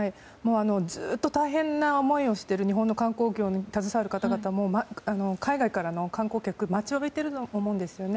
ずっと大変な思いをしている日本の観光業に携わる方々も海外からの観光客待ちわびていると思うんですね。